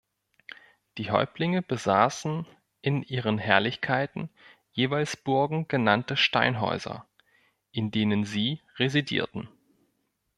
Die Häuptlinge besaßen in ihren Herrlichkeiten jeweils Burgen genannte Steinhäuser, in denen sie residierten.